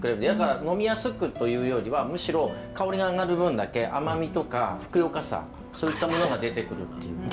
だから呑みやすくというよりはむしろ香りが上がる分だけ甘みとかふくよかさそういったものが出てくるっていう。